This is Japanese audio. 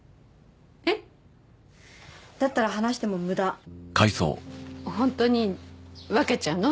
えっ？だったら話しても無駄本当に分けちゃうの？